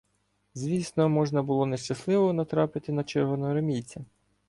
Звісно, можна було нещасливо натрапити на червоноармійця.